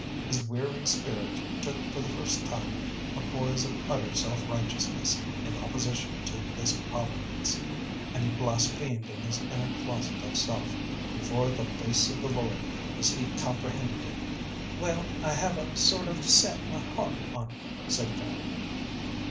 His weary spirit took for the first time a poise of utter self righteousness in opposition to this Providence, and he blasphemed in his inner closet of self, before the face of the Lord, as he comprehended it. "Well, I have a sort of set my heart on it," said Fanny.